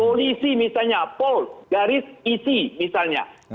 polisi misalnya pol garis isi misalnya